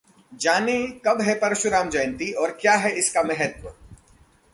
जानें, कब है परशुराम जयंती और क्या है इसका महत्व?